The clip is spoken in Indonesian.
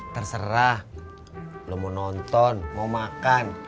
terserah lo mau nonton mau makan